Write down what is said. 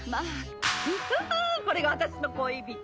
「フフフこれが私の恋人」